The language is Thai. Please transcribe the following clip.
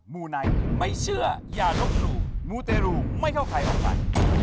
มูน้อยไม่เชื่อยาลบลูมูเตลูไม่เข้าไทยออกไป